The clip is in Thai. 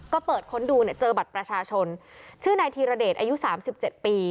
ก็เปิดค้นดูเนี่ยเจอบัตรประชาชนชื่อนายธีรเดชอายุ๓๗ปี